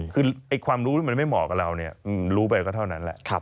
คือความรู้ที่มันไม่เหมาะกับเราเนี่ยรู้ไปก็เท่านั้นแหละ